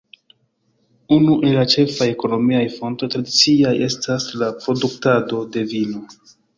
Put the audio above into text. Unu el la ĉefaj ekonomiaj fontoj tradiciaj estas la produktado de vino.